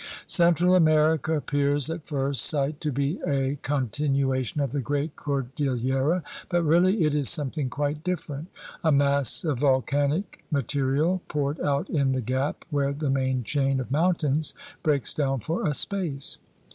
Cen tral America appears at first sight to be a con tinuation of the great cordillera, but really it is something quite different — a mass of volcanic ma terial poured out in the gap where the main chain of mountains breaks down for a space.